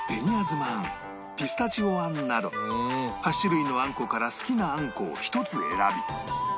ピスタチオあんなど８種類のあんこから好きなあんこを１つ選び